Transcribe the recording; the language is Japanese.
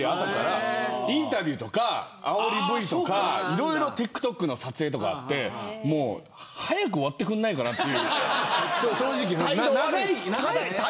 インタビューとか、あおりＶとかＴｉｋＴｏｋの撮影とかあって早く終わってくれないかなって。